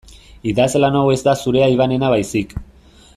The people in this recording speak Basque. Idazlan hau ez da zurea Ivanena baizik.